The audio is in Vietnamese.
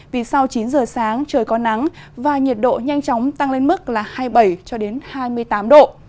vì sau chín giờ sáng trời có nắng và nhiệt độ nhanh chóng tăng lên mức là hai mươi bảy hai mươi tám độ